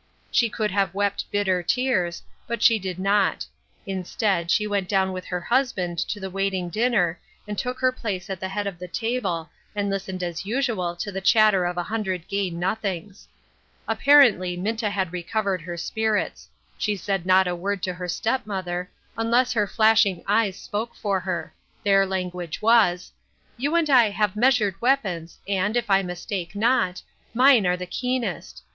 She could have wept bitter tears, but she did not ; instead, she went down with her husband to the waiting dinner, and took her place at the head of the table, and listened as usual to the chatter of a hundred gay nothings. Apparently, Minta had recovered her spirits ; she said not a word to her step mother, unless her flashing eyes spoke for her ; their language was :" You and I have measured weapons, and, if I mistake not, mine are the keen est.